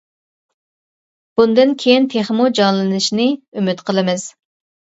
بۇندىن كېيىن تېخىمۇ جانلىنىشىنى ئۈمىد قىلىمىز.